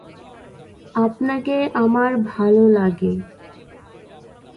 আপনাকে আমার ভালো লাগে।